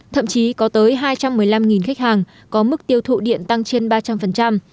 thậm chí có tới hai trăm một mươi năm khách hàng có mức tiêu thụ điện tăng trên ba trăm linh